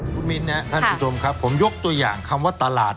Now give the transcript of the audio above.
คุณมิ้นนะครับท่านผู้ชมครับผมยกตัวอย่างคำว่าตลาด